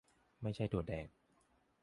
ไม่ใช่ถั่วแดง